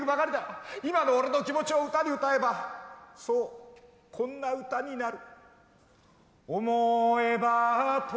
今の俺の気持ちを歌に歌えばそうこんな歌になる。